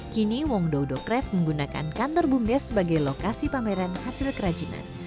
kini wong doudo craft menggunakan kantor bumdes sebagai lokasi pameran hasil kerajinan